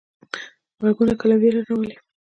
غږونه کله ویره راولي.